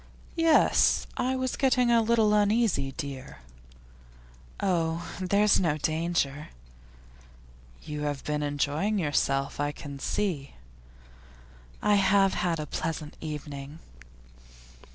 'Yes; I was getting a little uneasy, dear.' 'Oh, there's no danger.' 'You have been enjoying yourself, I can see.' 'I have had a pleasant evening.